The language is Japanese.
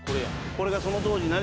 これがその当時ああ何？